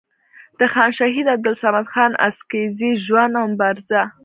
د خان شهید عبدالصمد خان اڅکزي ژوند او مبارزه